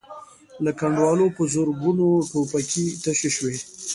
له کنډوالو په زرګونو ټوپکې تشې شوې.